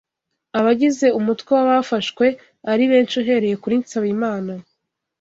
abagize umutwe wa bafashwe ari benshi uhereye kuri Nsabimana